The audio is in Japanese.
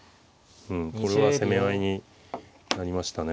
うんこれは攻め合いになりましたね。